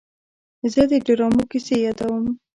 زه د ډرامو کیسې یادوم.